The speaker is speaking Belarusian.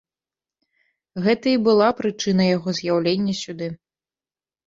Гэта і была прычына яго з'яўлення сюды.